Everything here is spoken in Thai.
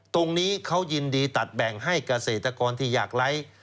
ตรงนี้เขายินดีตัดแบ่งให้เกษตรกรที่อยากไร้